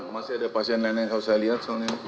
masih ada pasien lain yang harus saya lihat